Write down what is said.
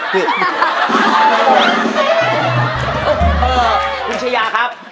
คุณชายาครับ